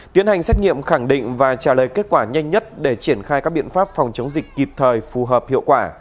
tiến hành xét nghiệm khẳng định và trả lời kết quả nhanh nhất để triển khai các biện pháp phòng chống dịch kịp thời phù hợp hiệu quả